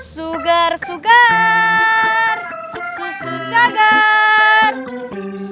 satu bagian dari buddhist